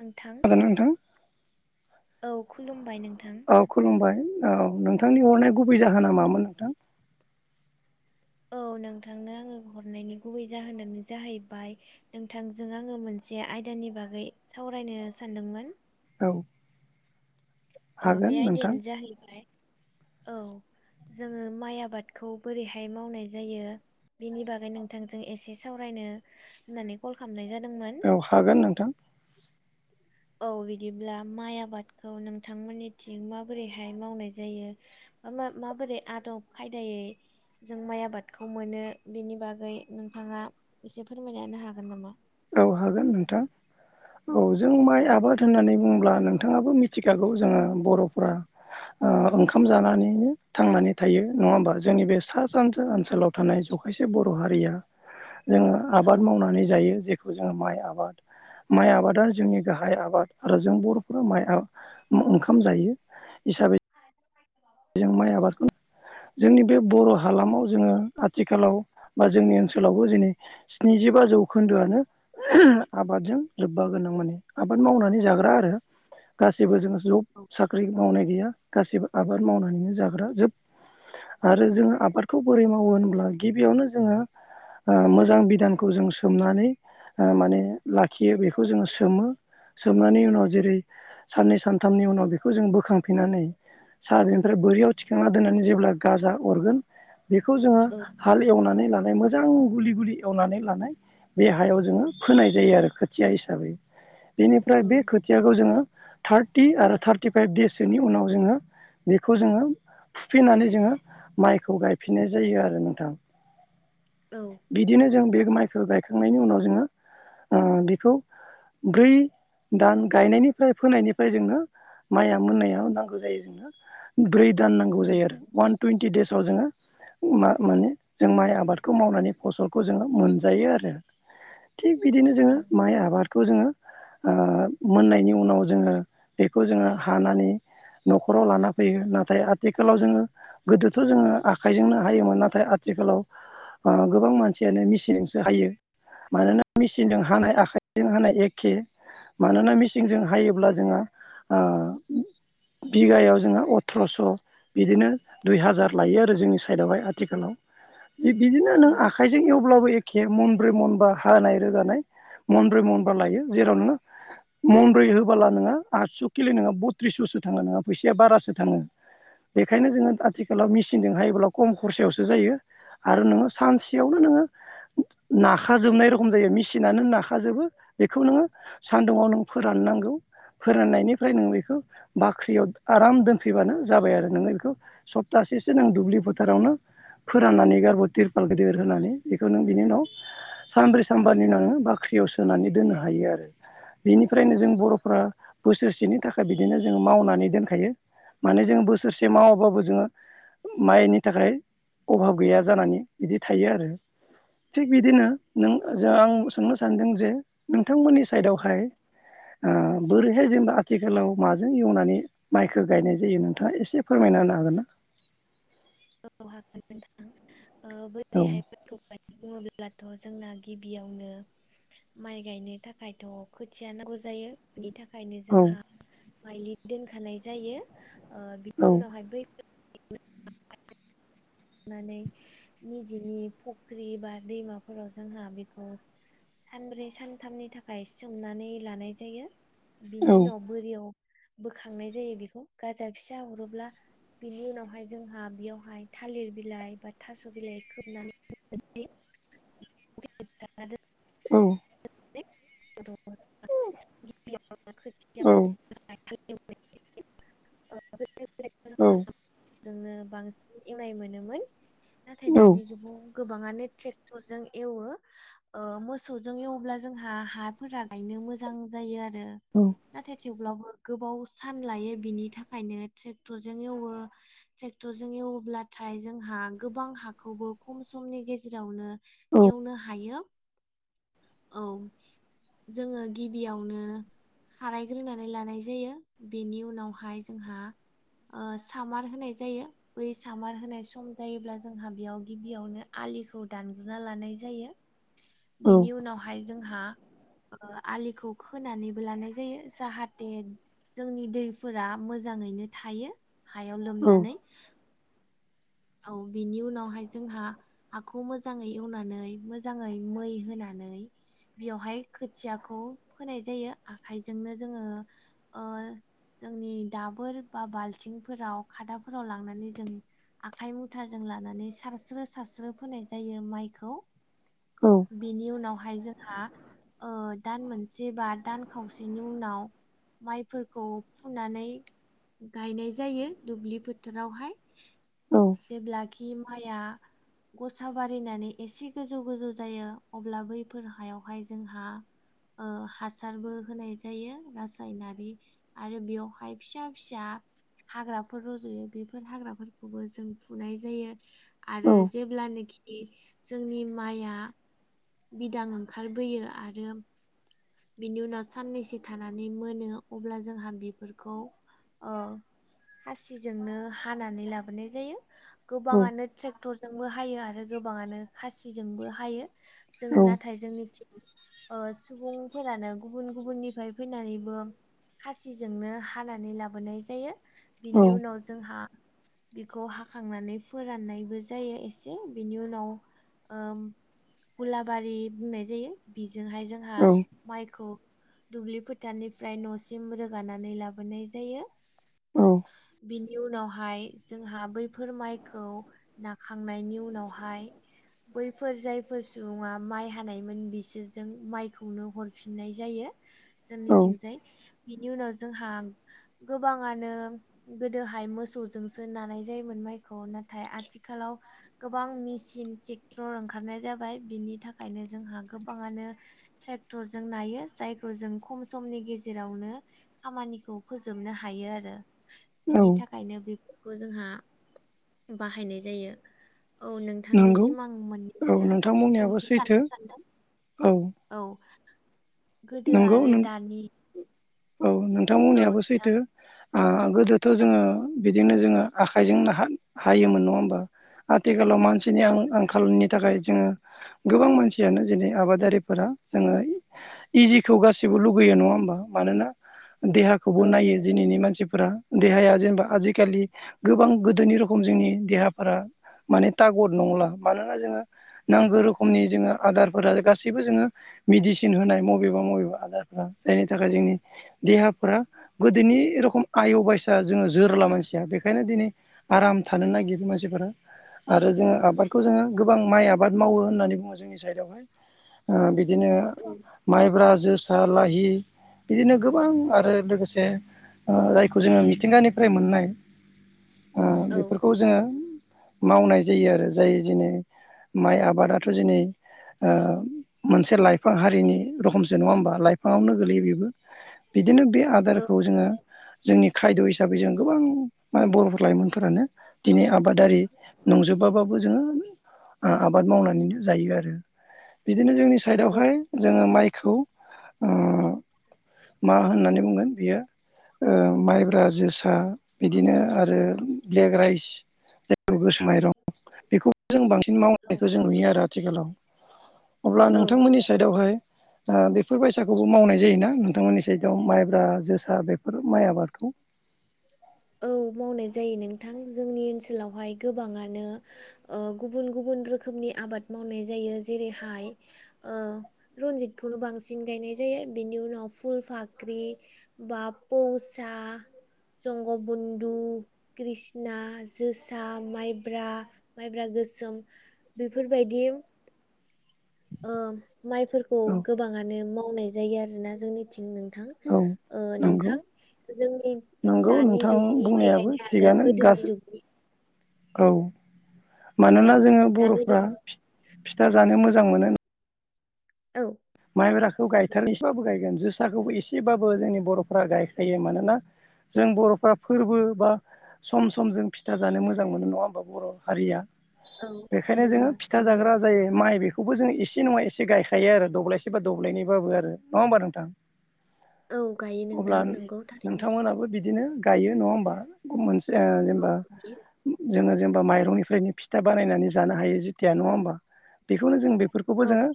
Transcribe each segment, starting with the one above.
नोंथां खोनादोंना नोंथां औ खुलुमबाय नोंथां। औ खुलुमबाय औ नोंथांनि हरनाय गुबै जाहोना मामोन नोंथां? औ नोंथांनो आङो हरनायनि गुबै जाहोनानो जाहैबाय नोंथांजों आङो मोनसे आयदानि बागै सावरायनो सानदोंमोन। औ। औ बे हागोन नोंथां आयदायानो जाहैबाय औ। जोङो माइ आबादखौ बोरैहाय मावनाय जायो? बेनि बागै नोंथांजों एसे सावरायनो होननानै कल खालामनाय जादोंमोन। औ हागोन नोंथां। औ बिदिब्ला माइ आबादखौ नोंथांमोननिथिं माबोरैहाय मावनाय जायो? मा माबोरै आदब खायदायै जों माइ आबादखौ मोनो बेनि बागै नोंथाङा एसे फोरमायना होनो हागोन नामा? औ हागोन नोंथां औ जों औ माइ आबाद होननानै बुंङोब्ला नों थाङाबो मिथिखागौ जोङो बर'फोरा ओ ओंखाम जानानैनो थांनानै थायो नङा होमबा? जोंनि बे सा सानजा ओनसोलाव थानाय जखायसे बर' हारिया [inaudible] जोङो औ आबाद मावनानै जायो जेखौ जोङो माइ आबाद माइ आबादा जोंनि गाहाय आबाद। आरो जों बर'फोरा माइ ओंखाम जायो हिसाबै [inaudible] जों माइ आबादखौ जोंनि बे बर' हालामाव जोङो आथिखालाव बा जोंनि ओनसोलावबो दिनै स्निजिबा जौखोन्दोआनो आबादजों लोब्बा गोनां माने आबाद मावनानै जाग्रा आरो गासिबो जोङो जब साख्रि मावनाय गैया, गासैबो आबाद मावनानैनो जाग्रा जोब। आरो जोङो आबादखौ बोरै मावो होनब्ला गिबियावनो जोङो ओ मोजां बिधानखौ जों सोमनानै माने लाखियो। बेखौ जोङो सोमो सोमनानै उनाव जेरै साननै सानथामनि उनाव बेखौ जों बोखांफिननानै सा [unintelligible] निफ्राय बोरियाव थिखांना दोननानै जेब्ला गाजा अरगोन बेखौ जोङो औ हाल एवनानै लानाय मो मोजां गुलि गुलि एवनानै लानाय बे हायाव जोङो फोनाय जायो आरो खोथिया हिसाबै। बेनिफ्राय बे खो खोथियाखौ जोङो थार्टि आरो थार्टिफाइभ देइस सोनि उनाव जोङो बेखौ जोङो फिनानै जोङो माइखौ गायफिननाय जायो आरो नोंथां। औ। बिदिनो जों बे माइखौ गायखांनायनि उनाव जोङो ओ बिखौ ब्रै दान गायनायनिफ्राय फोनायनिफ्राय जोङो माइया मोन्नायाव नांगौ जायो जोंनो ब्रै दान नांगौ जायो आरो वान टुइन्टि देइसाव जोङो उ मा माने जों माइ आबादखौ मावनानै फसलखौ जोङो मोनजायो आरो। थिग बिदिनो जोङो औ माइ आबाद [unintelligible] जोङो ओ मोननायनि उनाव जोङो बेखौ जोङो हानानै न'खराव लाना फैयो नाथाय आथिखाल [unintelligible] जोङो गोदोथ' जोङो आखाइजोंनो हायोमोन नाथाय आथिखालाव ओ गोबां मानसियानो मेसिनजोंसो हायो। मानोना मेचिनजों हानाय आखाइजों हानाय एखे। मानोना मिसिनजों हायोब्ला जोङो ओ। बिघायाव जोङो अथ्रस' बिदिनो दुइ हाजार लायो आरो जोंनि साइडआवहाय आथिखालाव। बिदिनो औ नों आखाइ जों एवब्लाबो एखे मनब्रै मनबा हानाय रोगानाय मनब्रै मनबा लायो जेराव नोङो मनब्रै होबोला नोङो आदस' किल' नोङो बट्रिसस'सो थाङो नोङा फैसाया बारासो थाङो। बेखायनो जोङो आथिखालाव मेसिनजों हायोब्ला कम खरसायावसो जायो। आरो नोङो सानसेयावनो नोङो नाखाजोबनाय रखम जायो मेसिनानो नाखाजोबो बेखौ नोङो सान्दुुंआव नों फोराननांगौ। फोराननायनिफ्राय नों बेखौ बाख्रियाव आराम दोनफैबानो जाबाय आरो। नोङो बेखौ सप्तासेसो नों दुब्लि फोथारावनो फोराननानै गारबो तिरपाल गेदेर होनानै बेखौ नों बिनि उनाव सानब्रै सानब्रनि उनाव नोङो बाख्रियाव सोनानै दोननो हायो आरो। बेनिफ्रायनो जों औ बर'फ्रा बोसोरसेनि थाखाय बिदिनो जोङो मावनानै दोनखायो माने जोङो बोसोरसे मावाबाबो जोङो माइनि थाखाय अभाब गैया जानानै बिदि थायो आरो। थिग बिदिनो नों जों आं सोंनो सानदों जे नोंथांमोननि साइदावहाय ओ बोरैहाय जेनेबा आथिखालाव माजों एवनानै माइखौ गायनाय जायो नोंथाङा एसे फोरमायना होनो हागोन ना? औ हागोन नोंथां ओ औ बोरैहाय बेखौ बुङोब्लाथ' जोंना गिबियावनो माइ गायनो थाखायथ' खोथिया नांगौ जायो। बिनि थाखायनो औ जोंहा माइलि दोनखानाय जायो। ओ औ बिनि उनावहाय बै [unintelligible] निजेनि फख्रि बा दैमाफोराव जोंहा बेखौ सानब्रै सानथामनि थाखाय सोमनानै लानाय जायो। औ बिनि उनाव बोरियाव बोखांनाय जायो बेखौ गाजा फिसा हरोब्ला। बिनि उनावहाय जोंहा बेयावहाय - थालिर बिलाइ बा थास' बिलाइ खोबनानै होनाय जायो [unintelligible] [unintelligible] औ गिबियाव खोथिया [unintelligible] [unintelligible] औ। जोंनो बांसिन एवनाय मोनोमोन नाथाय दानि जुगाव गोबाङानो ट्रेक्टरजों एवो। ओ मोसौजों एवब्ला जोंहा हाफोरा गायनो मोजां जायो आरो। औ। नाथाय थेवब्लाबो गोबाव सान लायो बिनि थाखायनो ट्रेक्टरजों एवो। ट्रेक्टरजों एवोब्लाथाय जोंहा गोबां हाखौबो खम समनि गेजेरावनो। एवनो हायो औ। जोङो गिबियावनो। खारायग्रोनानै लानाय जायो बेनि उनावहाय जोंहा। ओ सामार होनाय जायो। बै सामार होनाय सम जायोब्ला जोंहा बेयाव गिबियावनो आलिखौ दानग्रोना लानाय जायो। बिनि उनावहाय जोंहा आलिखौ खोनानैबो लानाय जायो जाहाथे जोंनि दैफोरा मोजाङैनो थायो हायाव लोमनानै औ बिनि उनावहाय जोंहा हाखौ मोजाङै एवनानै मोजाङै मै होनानै बेयावहाय खोथियाखौ फोनाय जायो। आखाइजोंनो जोङो ओ जोंनि दाबोर बा बाल्थिंफोराव खादाफोराव लांनानै जों आखाइ मुथाजों लानानै सारस्रो सारस्रो फोनाय जायो। माइखौ औ बेनि उनावहाय जोंहा ओ दान मोनसे बा दान खावसेनि उनाव माइफोरखौ फुनानै गायनाय जायो दुब्लि फोथारावहाय। औ जेब्लाखि माइया गसा बारायनानै एसे गोजौ-गोजौ जायो अब्ला बैफोर हायावहाय जोंहा ओ हासारबो होनाय जायो रासायनारि। आरो बेवहाय फिसा फिसा हाग्राफोर रज'यो बेफोर हाग्रा फोरखौबो जों जों फुनाय जायो। आरो जेब्लानोखि जोंनि माइया बिदां ओंखारबोयो आरो बिनि उनाव साननैसो थानानै मोनो अब्ला जोंहा बेफोरखौ ओ खासिजोंनो हानानै लाबोनाय जायो। गोबाङानो ट्रेक्टरजोंबो हायो आरो गोबाङानो खासिजोंबो हायो। जों नाथाय जोंनिथिं ओ सुबुं फोरानो गुबुन गुबुननिफ्राय फैनानैबो खासिजोंनो हानानै लाबोनाय जायो। बिनि उनाव जोंहा बेखौ हाखांनानै फोराननायबो जायो। एसे बिनि उनाव ओम उलाबारि बुंनाय जायो बिजोंहाय जोंहा माइखौ दुब्लि फोथारनिफ्राय न'सिम रोगानानै लाबोनाय जायो। औ बिनि उनावहाय जोंहा बैफोर माइखौ नाखांनायनि उनावहाय बैफोर जायफोर सुबुङा माइ हानायमोन बिसोरजों माइखौनो हर फिननाय जायो। जोंनिथिंजाय बिनि उनाव जोंहा गोबाङानो गोदोहाय मोसौजोंसो नानाय जायोमोन माइखौ नाथाय आथिखालाव गोबां मेचिन ट्रेक्टर ओंखारनाय जाबाय बिनि थाखायनो जोंहा गोबाङानो ट्रेक्टरजों नायो जायखौ जों खम समनि गेजेरावनो खामानिखौ फोजोबनो हायो आरो औ बिनि थाखायनो बेफोरखौ जोंहा बाहायनाय जायो औ नंगौ नोंथांनिसिम आं औ मोननैसो नोंथांमोननियाबो सोंथि सैथो सोंनो सानदों? औ औ गोदो नंगौ आरो नों दानि औ औ नोंथांमोननियाबो नोंथां सैथो ओ गोदोथ' औ जोङो बिदिनो जोङो आखाइजोंनो हा हायोमोन नङा होमबा। आथिखालाव मानसिनि औ आं नंगौ आंखालनि नि थाखाय जोङो गोबां मानसियानो दिनै आबादारिफोरा जोङो इजिखौ गासैबो लुगैयो नङा होमबा मानोना देहाखौबो औ नायो नंगौ दिनैनि मानसिफोरा देहाया जेनेबा आजिखालि गोबां गोदोनि रखम जोंनि देहाफोरा माने टागद नंला मानोना जोङो नांगौ रोखमनि जोङो आदार गासैबो जोङो मेदिसिन होनाय म बबेबा बबेबा आदारफ्रा जायनि थाखाय जोंनि देहाफोरा गोदोनि रखम आय बायसा जोङो जोरला मानसिया बेखायनो दिनै आराम थानो नागिरो मानसिफोरा आरो जोङो आबादखौ जोङो गोबां माइ आबाद मावो होननानै बुङो जोंनि साइडआवहाय ओ बिदिनो औ माइब्रा जोसा लाहि बिदिनो गोबां आरो लोगोसे ओ जायखौ जोङो मिथिंगानिफ्राय मोननाय ओ औ बेफोरखौ जोङो मावनाय जायो आरो जाय दिनै माइ आबादाथ' दिनै मोनसे लाइफां हारिनि रखोमसो नङा होमबा लाइफाङावनो गोगलैयो बेबो बिदिनो बे औ आदारखौ जोङो जोंनि खायद' हिसाबै जों गोबां बर' लाइमोनफोरानो दिनै आबादारि नंजोबाबाबो जोङो ओ आबाद मावनानैनो जायो आरो बिदिनो जोंनि औ साइदआवहाय जोङो माइ खौ ओ औ मा होननानै बुंगोन बियो ओ माइब्रा जोसा बिदिनो आरो ब्लेक राइस गोसोनाय माइरं बेखौबो जों बांसिन मावनायखौ जों नुयो आरो आथिखालाव अब्ला औ औ नोंथांमोननि साइडआवहाय बेफोर बायसाखौबो मावनाय जायोना नोंथांमोननि सायदआव माइब्रा जोसा बेफोर माइ आबादखौ औ मावनाय जायो नोंथां जोंनि ओनसोलावहाय गोबाङानो ओ गुबुन गुबुन रोखोमनि आबाद मावनाय जायो जेरैहाय ओ रनजितखौनो बांसिन गायनाय जायो बेनि उनाव फुल फाख्रि [inaudible] जंग बन्धु कृषना जोसा माइब्रा माइब्रा गोसोम बेफोरबायदि ओ माइफोरखौ औ गोबाङानो मावनाय जायो आरोना जोंनिथिं नोंथां औ ओ नंगौ नोंथां जोंनि नंगौ दानि नोंथां जुगनि माइ बुंनायाबो गायनाय आरो थिगानो गोदोनि गासै जुगनि औ औ मानोना जोङो दानि बर'फ्रा जुगनि फिथा जानो मोजां मोनो औ माइब्राखौ गायथारो एसेबाबो गायगोन जोसाखौबो एसेबाबो जोंनि बर'फ्रा गायखायो मानोना जों बर'फ्रा फोरबो बा सम सम जों फिथा जानो मोजां मोनो नङा होमबा बर' हारिया औ बेखायनो नंगौ जोङो फिथा जाग्रा जायो माइ बेखौबो जोंङो एसे नङा एसे गायखायो आरो दब्लाय सोरबा दब्लायनायबाबो नङा होमबा नोंथां औ गायो अब्ला नोंथां नंगौ थारैनो नोंथांमोनाबो बिदिनो थायो नङा होमबा मोनसे ओ औ जेनेबा गायो जोङो जेनेबा माइरंनिफ्रायनो फिथा बानायनानै जानो हायो जेथिया नङा होमबा? बेखौनो जों बेफोरखौबो औ जोङो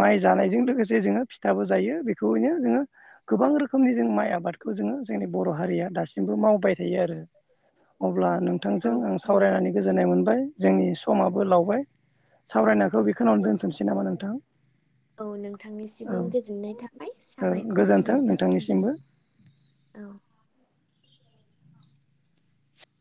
माइ जानायजों लोगोसे जोङो फिथाबो जायो बेखौैनो जोङो। गोबां रोखोमनि जों माइ आबादखौ जोङो जोंनि बर' हारिया दासिमबो मावबाय था थ आरो अ नोंथांजों औ आं सावरायनानै गोजोननाय मोनबाय जोंनि समाबो लावबाय सावरायनायखौ बेखौावनो दोनथुमनोसै नामा नोंथां औ औ नोंथांनिसिमबो गोजोननाय थाबाय औ साबायखर गोजोन्थों नोंथां। नोंथांनिसिमबो औ